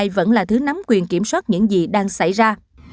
vẫn là thứ nắm quyền kiểm soát những gì đang xảy ra